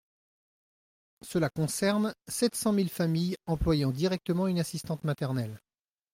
Cela concerne sept cent mille familles employant directement une assistante maternelle.